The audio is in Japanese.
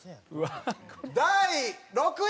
第６位。